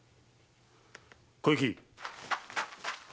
小雪！